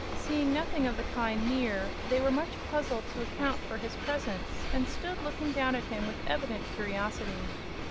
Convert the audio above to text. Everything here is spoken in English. Seeing nothing of the kind near they were much puzzled to account for his presence, and stood looking down at him with evident curiosity.